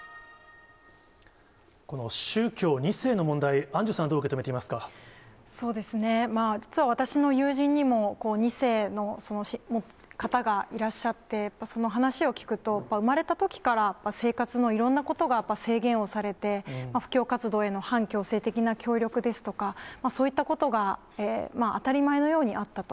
この宗教２世の問題、アンジそうですね、実は私の友人にも、２世の方がいらっしゃって、やっぱり、その話を聞くと、生まれたときから生活のいろんなことが制限をされて、布教活動への半強制的な協力ですとか、そういったことが当たり前のようにあったと。